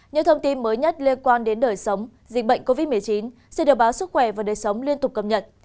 những thông tin mới nhất liên quan đến đời sống dịch bệnh covid một mươi chín sẽ được báo sức khỏe và đời sống liên tục cập nhật